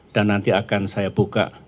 dan nanti akan saya buka